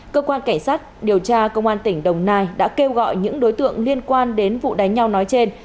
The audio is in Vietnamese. cơ quan cảnh sát điều tra công an tỉnh đồng nai đã kêu gọi những đối tượng liên quan đến vụ đánh nhau nói trên